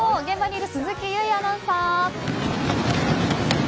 現場にいる鈴木唯アナウンサー。